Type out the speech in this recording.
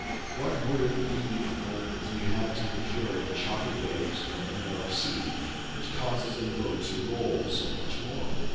What would it be when he had to endure the choppy waves of a narrow sea, which causes a boat to roll so much more